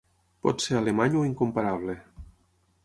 Pot ser alemany o incomparable.